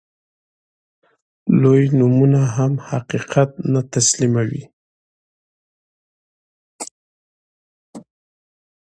لوی نومونه هم حقيقت نه تسليموي.